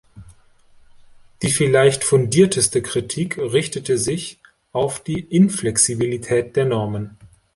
Die vielleicht fundierteste Kritik richtete sich auf die Inflexibilität der Normen.